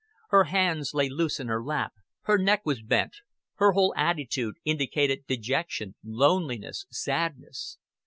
Her hands lay loose in her lap; her neck was bent; her whole attitude indicated dejection, loneliness, sadness.